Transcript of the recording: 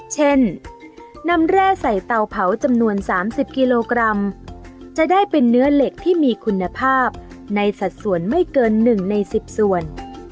เช่นนำแร่ใส่เตาเผาจำนวน๓๐กิโลกรัมจะได้เป็นเนื้อเหล็กที่มีคุณภาพในสัดส่วนไม่เกิน๑ใน๑๐ส่วน